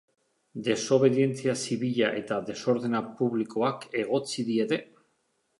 Desobedientzia zibila eta desordena publikoak egotzi diete.